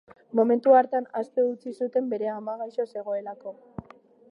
Momentu hartan aske utzi zuten bere ama gaixo zegoelako.